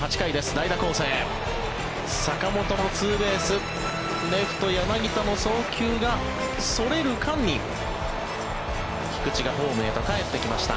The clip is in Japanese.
代打攻勢坂本のツーベースレフト、柳田の送球がそれる間に菊池がホームへとかえってきました。